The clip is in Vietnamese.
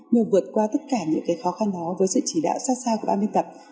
nhưng vượt qua tất cả những khó khăn đó với sự chỉ đạo xa xa của ba mươi tập